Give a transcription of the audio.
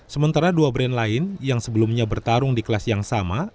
sementara dua brand lain yang sebelumnya bertarung di kelas yang sama